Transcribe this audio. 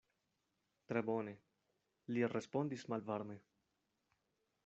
Tre bone, li respondis malvarme.